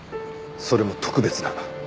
それも特別な。